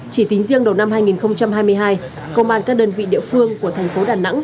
chỉ tính riêng đầu năm hai nghìn hai mươi hai công an các đơn vị địa phương của thành phố đà nẵng